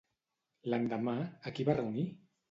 L'endemà, a qui va reunir?